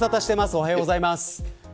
おはようございます。